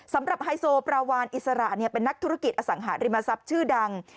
ไฮโซปราวานอิสระเป็นนักธุรกิจอสังหาริมทรัพย์ชื่อดัง